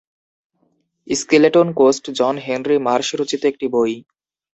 Skeleton Coast John Henry Marsh রচিত একটি বই।